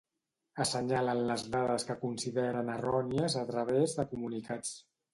Assenyalen les dades que consideren errònies a través de comunicats.